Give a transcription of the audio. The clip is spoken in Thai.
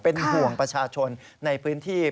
เป็นห่วงประชาชนในพื้นที่